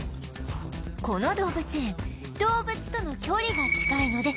この動物園動物との距離が近いので